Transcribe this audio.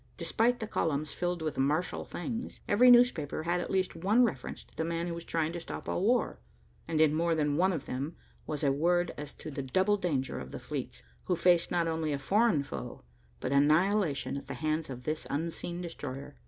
Despite the columns filled with martial things, every newspaper had at least one reference to the man who was trying to stop all war, and in more than one of them was a word as to the double danger of the fleets, who faced not only a foreign foe, but annihilation at the hands of this unseen destroyer.